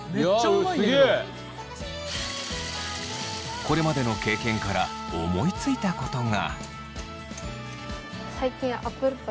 これまでの経験から思いついたことが。